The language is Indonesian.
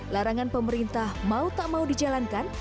larangan pemerintah mau tak mau dijalankan